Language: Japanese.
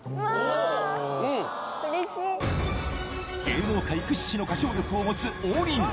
芸能界屈指の歌唱力を持つ王林